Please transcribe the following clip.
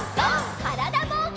からだぼうけん。